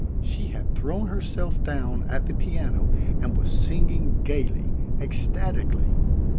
She had thrown herself down at the piano and was singing gaily, ecstatically.